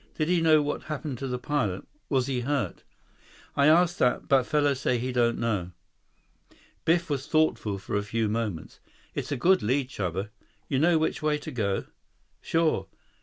Did he know what happened to the pilot? Was he hurt?" "I ask that. But fellow say he don't know." Biff was thoughtful for a few moments. "It's a good lead, Chuba. You know which way to go?" "Sure.